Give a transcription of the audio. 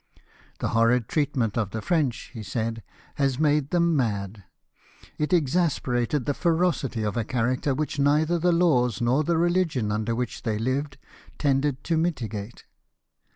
" The horrid treatment of the French," he said, "had made them mad." It ex asperated the ferocity of a character which neither the laws nor the religion under which they lived tended to mitigate.